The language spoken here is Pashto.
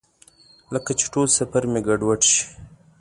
لکه چې ټول سفر مې ګډوډ شي.